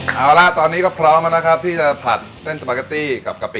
เอาล่ะตอนนี้ก็พร้อมแล้วนะครับที่จะผัดเส้นสปาเกตตี้กับกะปิ